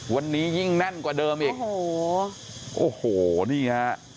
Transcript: วันนี้ยิ่งแน่นกว่าเดิมอีก